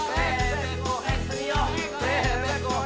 mebek goreng senyong